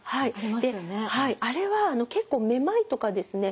はいあれは結構めまいとかですね